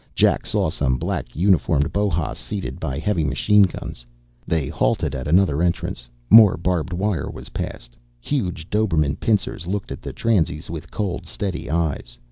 Jack saw some black uniformed Bohas seated by heavy machine guns. They halted at another entrance; more barbed wire was passed. Huge Dobermann pinschers looked at the transies with cold, steady eyes.